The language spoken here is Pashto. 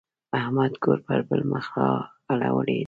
احمد کور پر بل مخ را اړولی دی.